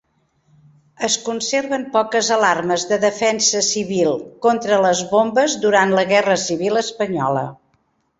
Es conserven poques alarmes de defensa civil contra les bombes durant la Guerra Civil Espanyola.